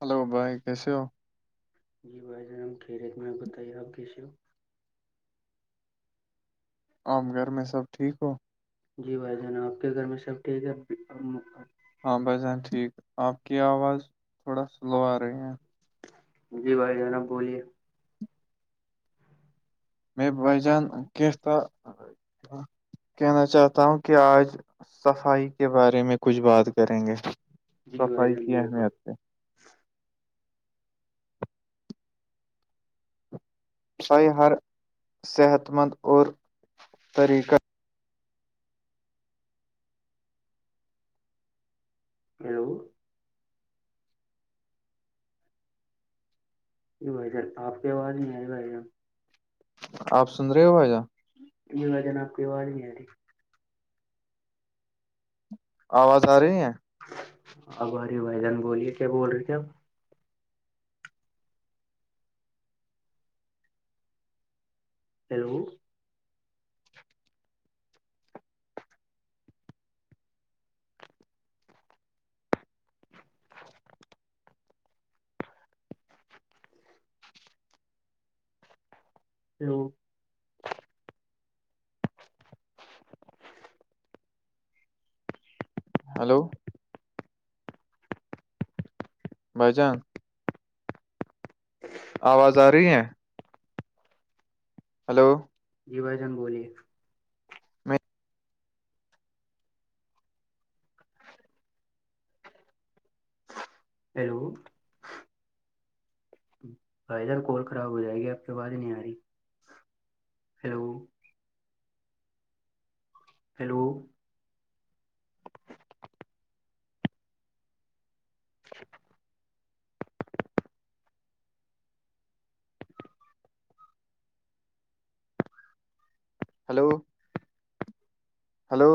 hello بھائی کیسے ہو جی بھائی جان ہم کھی رے میں بتائیے آپ کیسے ہو عام گھر میں سب ٹھیک ہو جی بھائی جان آپ کے گھر میں سب ٹھیک ہے ہاں بھائیان ٹھیک آپ کی آواز تھوڑا سلو آ رہی ہے جی بھائی جناب بولیے میں بجان ک تھا کہنا چاہتا ہوں کہ آج صفائی کے بارے میں کچھ بات کریں گے جی بھائی صفائی جان کی بالکل اہمیت پہ س ہر صحت مند اور طریقہ ہیلو یہی بھائی جر آپ آواز نہیں آئی بھائیر آپ سن رہے ہوا جا [unintelligible] یہ وجن آپ کی آواز نہیں آ رہی آواز آ رہی ہے اباری وھائی جان بولیے کیا بول رہے تھے آپ ہیلو تو [unintelligible] ہلو بجان آواز آ رہی ہے ہلو جی بھ جان بولیے میں ہیلو بائیدر کال خراب ہو جائے گی اب کے باز ہی نہیں آ رہی ہلو ہیلو ج [inaudible] ہلو ہلو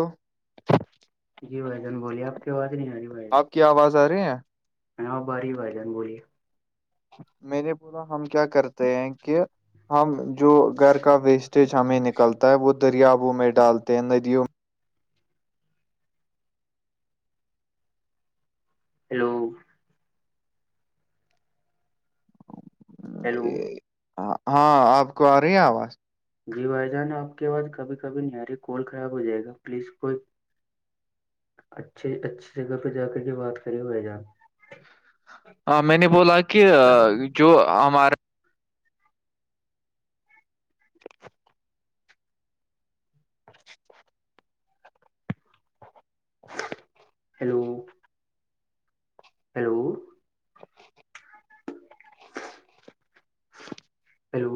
جی بھائی جان بلیے آپ کی آواز نہیں آ رہی بھائی جان کیا آواز آ رہی ہیں یںہاں اب ہاری با جان بولیے میں نے بولا ہم کیا کرتے ہیں کہ ہم جو گھر کا ویسٹیج ہمیں نکلتا ہے وہ دریابوں میں ڈالتے ہیں ندیوں ہیلو ہیلو ہ ہاں آپ کو آ رہی ہیں آواز جی بھائی جان آپ کے بعس کبھی کبھی نہیاری کول خراب ہو جائے گا پلیز کوئی اچ اچھی جگہ پہ جا کر کے بات کریں ب جان ہ میں نے بولا کہ جو ہمارا ہیلو ہیلو ہیلو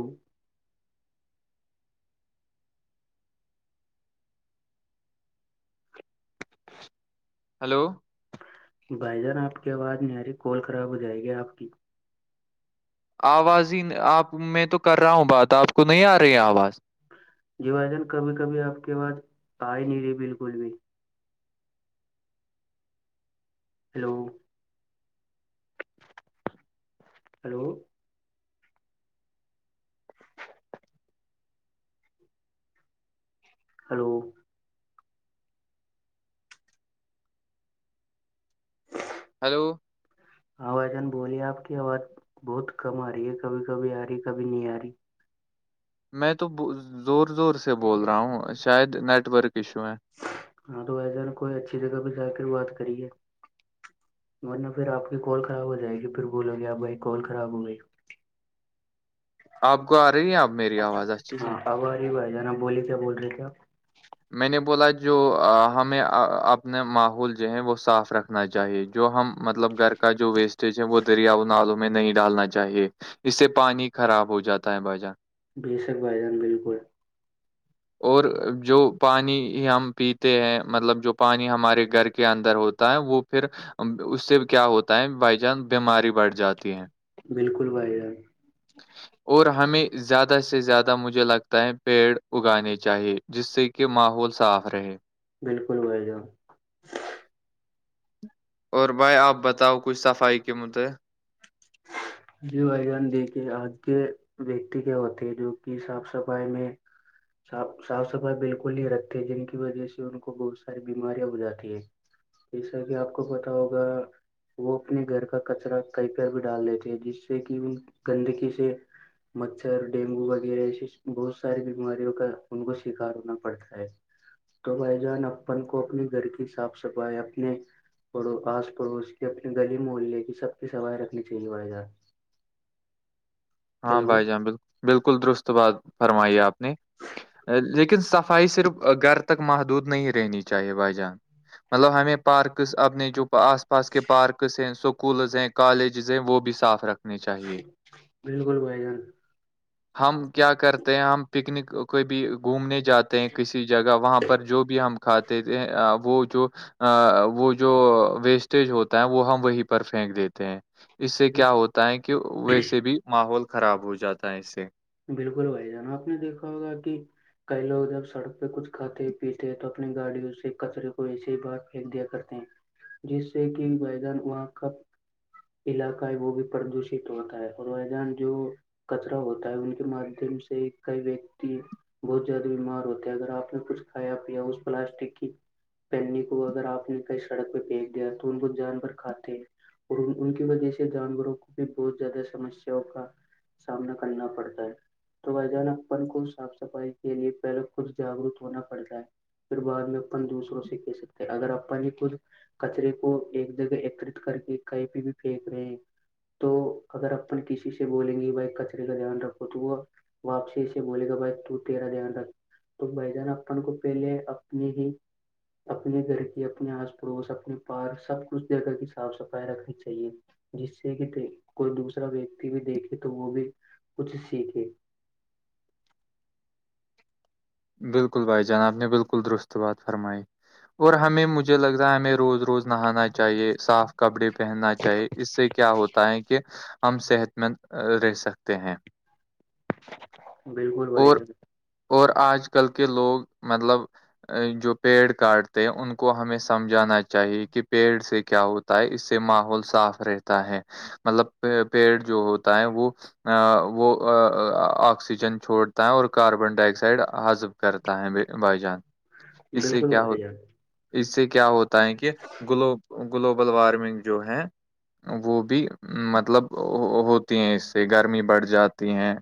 ہلو بھائی جان آپ کی آواز نہیںیاری کال خراب ہو جائے گی آپ کی آواز ہی آپ میں تو کر رہا ہوں بات آپ کو نہیں آ رہی ہے آواز جی وائی جان کبھی کبھی آپ کے بات آ ہی نہیں رہی بالکل بھی ہیلو ہلو [inaudible] ہلو ہیلو ہاں بھ جان بولی آپ کی اوز بہت کم آ رہی ہے کبھی کبھی آ رہی کبھی نہیں آ رہی میں تو زور زور سے بول رہا ہوں شاید نیٹ ورک ایشو ہے ہاں تو ایسا نا کوئی اچھی جگہ پہ جا کے بات کریے ورنہ پھر آپ کی کال خراب ہو جائے گی پھر بولو گے آپ بھائی کال خراب ہو گئی آپ کو آ رہی ہیں آپ میری آواز اچھی سے جی بھائی جانا بولی کیا بول رہے تھےپ میں نے بولا جو ہمیں اپنا ماحول جو ہے وہ صاف رکھ رنا چاہیے جو ہم مطلب گھر کا جو ویسٹیج ہے وہ دریا و نالوں میں نہیں ڈالنا چاہیے اس سے پانی خراب ہو جاتا ہے باجان بیشک بھائی جان بالکل اور جو پانی ہم پیتے ہیں مطلب جو پانی ہمارے گھر کے اندر ہوتا ہے وہ پھر اس سے کیا ہوتا ہے بائی چانس بیماری بڑھ جاتی ہے بالکل بھائی جائی [inaudible] ہ اور ہمیں زیادہ سے زیادہ مجھے لگتا ہے پیڑ اگانے چاہیے جس سے کہ ماحول صاف رہے بالکل بھی جن اور بھائی آپ بتاؤ کچھ صفائی کے مدعے جی بھائی جان دیکھیے آج کے ویکتی کے ہوتے جو کہ صاف صفائی میں صاف صاف صفائی بالکل نہیں رکھتے جن کی وجہ سے ان کو بہت ساری بیماریاں ہو جاتی ہے جیسا کہ آپ کو پتا ہوگا وہ اپنے گھر کا کچرا ک بھی ڈال دیتے ہیں جس سے کہ گندگی سے مچھر ڈینگو وغیرہ ایسے بہت ساری بیماریوں کا ان کو شکار ہونا پڑتا ہے تو بھائی جان اپن کو اپنے گھر کی صاف صفائی اپنے پ آس پڑوس کے اپنے گلی موہلی لے کی سب کی سفائی رکھنی چاہیے بڑائی ج ہاں ہیلو بھائی جان بالل بالکل درست بات فرمائی آپ نے لیکن صفائی صرف گھر تک محدود نہیں رہنی چاہیے بھائی جان مطلب ہمیں پارکس اپنے جو آس پاس کے پارکس ہیں اسکولز ہیں کالجز ہیں وہ بھی صاف رکھنے چاہیے بالکل بھائی جان ہم کیا کرتے ہیں ہم پکنک کوئی بھی گھومنے جاتے ہیں کسی جگہ وہاں پر جو بھی ہم کھاتے تھ وہ جو ا وہ جو ویسٹیج ہوتا ہے وہ ہم وہیں پر پھینک دیتے ہیں اس سے کیا ہوتا ہے کہ ویسے بھی ماحول خراب ہو جاتا ہے اس سے بالکل بھائی جان آپ نے دیکھا ہوگا کہ کئی لوگ جب سڑک پہ کچھ کھاتے پیتے ہیں تو اپنی گاڑیوں سے کچرے کو ایسے ہی بار پھینک دیا کرتے ہیں جس سے کہ میدان وہاں کا علاقہ ہے وہ بھی پردوشت ہوتا ہے اور جان جو کچرا ہوتا ہے ان کے مادھیم سے کئی ویکتی بہت زیادہ بیمار ہوتے ہیں اگر آپ نے کچھ کھایا پیا اس پلاسٹک کی پہنی کو اگر آپ نے کہیں سڑک پہ پھیک دیا تو ان وہ جانور کھاتے اور ان کی وجہ سے جانوروں کو بھی بہت زیادہ سمسیا کا سامنا کرنا پڑتا ہے تو ب جان اپن کو صاف صفائی کے لیے پہلے کچھ جاگرک ہونا پڑتا ہے پھر بعد میں اپن دوسروں سے کہہ سکتے ہیں اگر اپن یہ کھ کچرے کو ایک جگہ ایکترت کر کے کہیں پہ بھی پھینک رہے تو اگر اپن کسی سے بولیں گے بائی کچرے کا دھیان رکھ تو وہ واپسی سے بولے گا بھائی تو تیرا دھیان ر تو بہ جن اپن کو پہلے اپنی ہی اپنے گھر کے اپنے آس پڑوس اپنے پار سب کچھ جگ گہ کی صاف صفائی رکھنی چاہیے جس سے کہ د کوئی دوسرا ویکتی بھی دیکھے تو وہ بھی کچھ سیکھے بالکل بھائی جناب نے بالکل درست بات فرمائی اور ہمیں مجھے لگتا ہے ہمیں روز روز نہانا چاہیے صاف کپڑے پہننا چاہیے اس سے کیا ہوتا ت کہہ ہم صحت مند رہ سکتے ہیں بالکل بھائی اور ج اور آج کل کے لوگ مطلب جو پیڑ کاٹتے ان کو ہمیں سمجھانا چاہیے کہ پیڑ سے کیا ہوتا ہے اس سے ماحول صاف رہتا ہے مطلب پیڑ جو ہوتا ہے وہ وہ آکسیجن چھوڑتا ہے اور کاربن ڈائی آکسائڈ حزب کرتا ہے بھائی جان اس سے بالکل کیا ہو بھائی جان اس سے کیا ہوتا ہے کہ گلو گلوبل وارمنگ جو ہے وہ بھی مطلب ہوتی ہیں اس سے گرمی بڑھ جاتی ہیں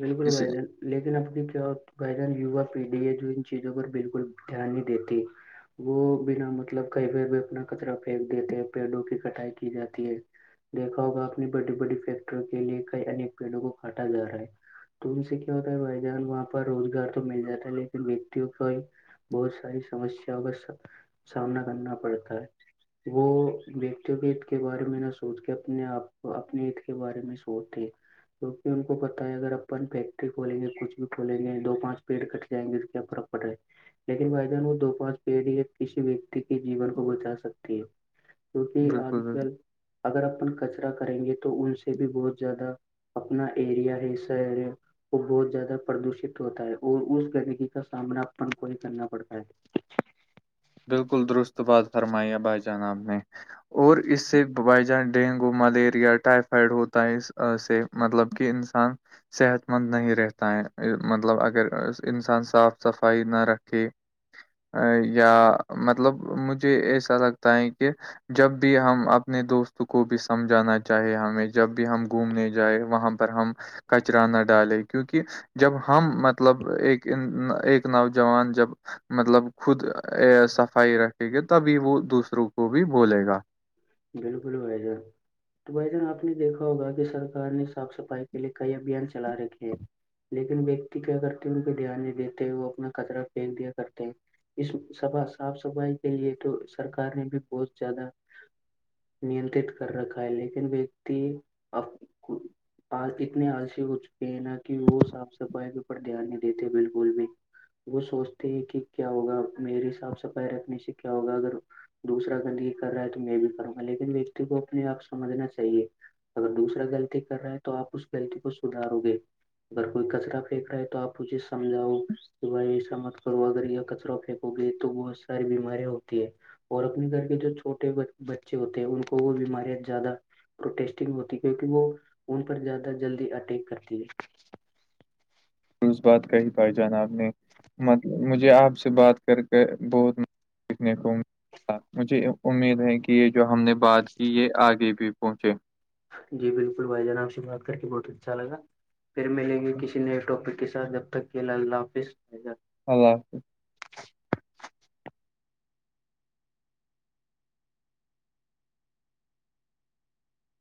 بالکل اس بھائی جان لیکن اب کی بھائی جان یوا پیڑھی ہے جو ان چیزوں پر بالکل دھیان نہیں دیتی وہ بنا مطلب کہیں پ بھی اپنا کچرا پھینک دیتے ہیں پیڑوں کی کٹائی کی جاتی ہے دیکا ہوگا اپنی بڑی بڑی فیکٹریوں کے لیے کئی انک پیڑوں کو کاٹا جا رہا ہے تو ان سے کیا ہوتا ہے بھائی جان وہاں پر روزگار تو مل جاتا ہے لیکن وتی کا بہت ساری سمسیا کا سامنا کرنا پڑتا ہے وہ وتی کے عید کے بارے میں نہ سوچ کے اپنے آپ کو اپنے عید کے بارے میں سوچتے توکہ ان کو پ بتا اگر اپن فیکٹری کھولیں گے کچھ بھی کھولیں گے دو پانچ پیڑ کٹ جائیں گے تو کیا فرق پڑ رہا ہے لیکن وائیدان وہ دو پانچ پیڑ یا کسی ویکتی کے جیون کو بچا سکتی ہے کیونکہ آج بالکل بالکل کل اگر اپن کچرا کریں گے تو ان سے بھی بہت زیادہ اپنا ایریا ہے س وہ بہت زیادہ پردوشت ہوتا ہے اور اس گندگی کا سامنا اپن کو نہیں کرنا پڑتا ہے [inaudible] بالکل درست بات فرمائییا بھائی جانب نے اور اس سے ببائی جہان ڈینگو ملیریا ٹائیفائیڈ ہوتا ہے اس سے مطلب کہ انسان صحت مند نہیں رہتا ہے مطلب اگر انسان صاف صفائی نہ رکھے ا یا مطلب مجھے ایسا لگتا ہے کہ جب بھی ہم اپنے دوست کو بھی سمجھانا چاہے ہمیں جب بھی ہم گھومنے جائیں وہاں پر ہم کچرا نہ ڈالیں کیونکہ جب ہم مطلب ایک ایک نوجوان جب مطلب خود صفائی رکھے گی تبھی وہ دوسروں کو بھی بولے گا بالکل و تو بھ جان آپ نے دیکھا ہوگا کہ سرار نے صاف صفائی کے لیے کئی ابھیان چلا رکھے ہیں لیکن ویکتی کیا کرتے ہیں انہ دھیان نہیں دیتے ہیں وہ اپنا کچرا پھینک دیا کرتے ہیں اس سفا صاف صفائی کے لیے تو سرکار نے بھی بہت زیادہ نینترت کر رکھا ہے لیکن ویکتی ا اتنے آلسی ہو چکے ہیں نا کہ وہ صاف صفائی کے اوپ دھیان نہیں دیتے بالکل بھی وہ سوچتے ہیں کہ کیا ہوگا میری صاف صفائی رکھنے سے کیا ہوگا اگر دوسرا گند یہ کر رہا ہے تو میں بھی کروں گا لیکن ویکتی کو اپنے آپ سمجھنا چاہیے اگر دوسرا غلطی کر رہاے ہے تو آپ اس غلطی کو سدھارو گے اگر کوئی کچرا پھینک رہا ہے تو آپ مجھے سمجھاؤ صبائے ایسا مت کرو اگر یا کچرا پھیک ہو گئی تو بہت ساری بیماریاں ہوتی ہے اور اپنے گھر کے جو چھوٹے بچے ہوتے ہیں ان کو وہ بیماریاں زیادہ پروٹیسٹگ ہوتی کیونکہ وہ ان پر زیادہ جلدی اٹیک کرتی ہے اس بات کہ ہی پائی جان آپ نے مطلب مجھے آپ سے بات کر کے بہت سیکھنے کو م مجھے امید ہے کہ یہ جو ہم نے بات کی یہ آگے بھی پہنچے جی بالکل بھائی جان آپ سے بات کر کے بہت اچھا لگا پھر ملیں گے کسی نئے ٹاپک کے ساتھ جب تک کہ ال اللہ حافظ اللہ حافظ